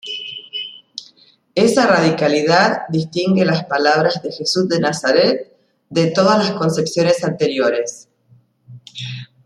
Esa radicalidad distingue las palabras de Jesús de Nazaret de todas las concepciones anteriores.